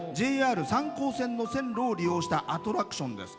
ＪＲ三江線の線路を利用しましたアトラクションです。